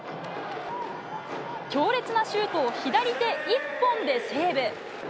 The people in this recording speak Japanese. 強烈なシュートを左手１本でセーブ。